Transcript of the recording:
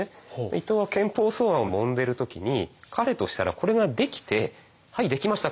伊藤は憲法草案をもんでる時に彼としたらこれができて「はいできました！